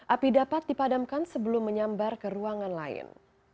api dapat dipadamkan sebelum menyambar ke ruangan lain